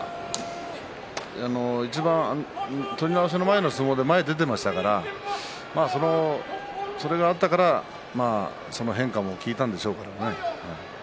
取り直しの前の一番で前に出ていましたからそれがあったからその変化も効いたんでしょうけどね。